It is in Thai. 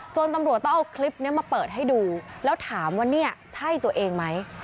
ตำรวจต้องเอาคลิปนี้มาเปิดให้ดูแล้วถามว่าเนี่ยใช่ตัวเองไหม